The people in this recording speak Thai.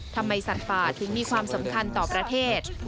ทำไมสัตว์ป่าถึงมีความสำคัญต่อประเทศ